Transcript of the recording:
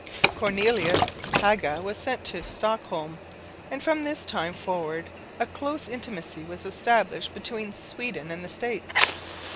Cornelis Haga was sent to Stockholm; and from this time forward a close intimacy was established between Sweden and the States.